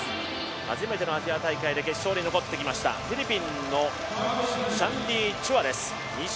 初めてのアジア大会で決勝に残ってきましたフィリピンのシャンディ・チュアです。